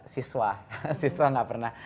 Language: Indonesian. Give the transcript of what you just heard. siswa siswa gak pernah